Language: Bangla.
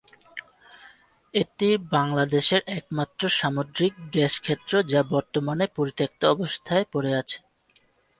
এটি বাংলাদেশের একমাত্র সামুদ্রিক গ্যাসক্ষেত্র যা বর্তমানে পরিত্যাক্ত অবস্থায় পড়ে আছে।